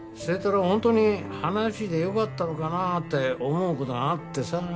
本当に花火師でよかったのかなって思う事があってさ。